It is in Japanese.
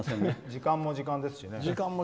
時間も時間だしね。